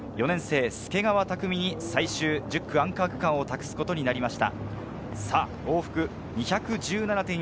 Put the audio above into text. ４年生・助川拓海に最終１０区アンカー区間を託すことになりました。